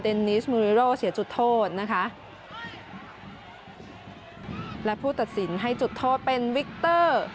นิสมูริโร่เสียจุดโทษนะคะและผู้ตัดสินให้จุดโทษเป็นวิกเตอร์